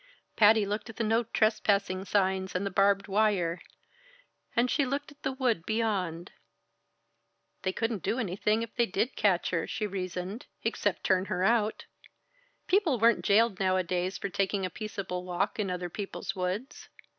Patty looked at the "No Trespassing" signs and the barbed wire, and she looked at the wood beyond. They couldn't do anything if they did catch her, she reasoned, except turn her out. People weren't jailed nowadays for taking a peaceable walk in other people's woods.